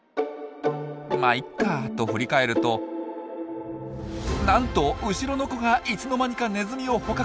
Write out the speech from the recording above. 「まっいいか」と振り返るとなんと後ろの子がいつの間にかネズミを捕獲！